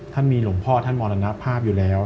ท่านมีหลวงพ่อท่านมรณภาพอยู่แล้ว